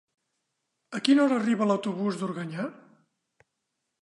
A quina hora arriba l'autobús d'Organyà?